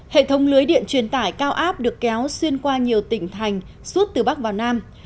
hệ thống lưới điện truyền tải cao áp được kéo xuyên qua nhiều tỉnh thành suốt từ bắc vào nam